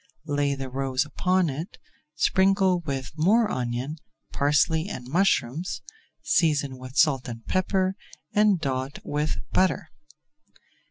Lay the roes upon it, sprinkle with more onion, parsley, and mushrooms, season with salt and pepper and dot with butter.